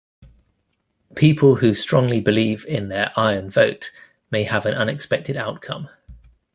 People who strongly believe in their "iron vote" may have an unexpected outcome.